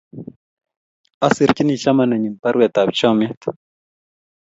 Asirchini chamanenyu parwet ap chamyet